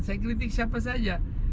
saya kritik siapa saja